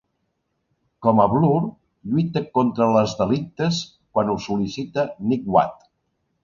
Com a Blur, lluita contra les delictes quan ho sol·licita Nighthawk.